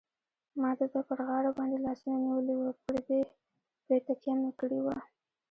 ما د ده پر غاړه باندې لاسونه نیولي وو، پرې تکیه مې کړې وه.